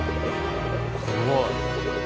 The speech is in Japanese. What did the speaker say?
すごい。